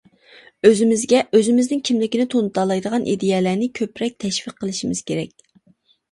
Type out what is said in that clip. ئۆزىمىزگە ئۆزىمىزنىڭ كىملىكىنى تونۇتالايدىغان ئىدىيەلەرنى كۆپرەك تەشۋىق قىلىشىمىز كېرەك.